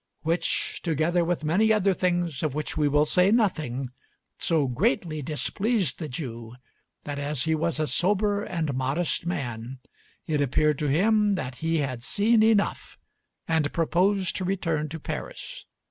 Which, together with many other things of which we will say nothing, so greatly displeased the Jew, that as he was a sober and modest man it appeared to him that he had seen enough, and proposed to return to Paris.